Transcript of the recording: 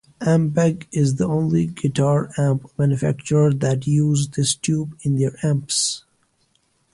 Ampeg is the only guitar amp manufacturer that used this tube in their amps.